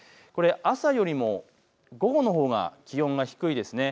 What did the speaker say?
朝よりも午後のほうが気温が低いです。